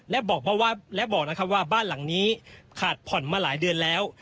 และบอกนะครับว่าบ้านหลังนี้ขาดผ่อนมาหลายเดือนแล้ว